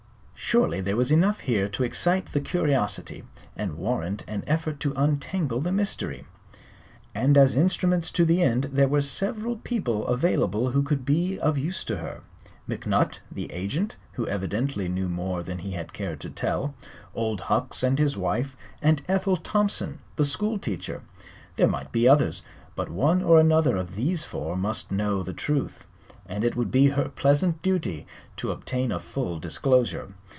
Surely there was enough here to excite the curiosity and warrant an effort to untangle the mystery. And as instruments to the end there were several people available who could be of use to her; McNutt, the agent, who evidently knew more than he had cared to tell; Old Hucks and his wife and Ethel Thompson, the school teacher. There might be others, but one or another of these four must know the truth, and it would be her pleasant duty to obtain a full disclosure.